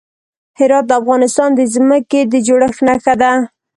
هرات د افغانستان د ځمکې د جوړښت نښه ده.